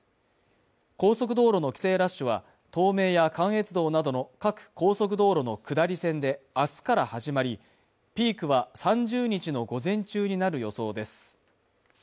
高速道路の帰省ラッシュは東名や関越道などの各高速道路の下り線であすから始まりピークは３０日の午前中になる予想です